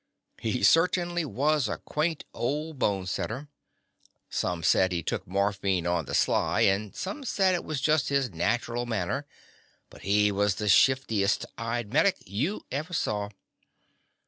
He certainly was a quaint old bone setter. Some said he took morphine on the sly, and some said it was just his natural manner, but he was the shiftiest eyed medic you ever saw.